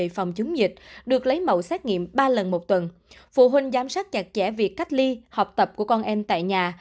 phụ huynh giám sát chặt chẽ việc cách ly học tập của con em tại nhà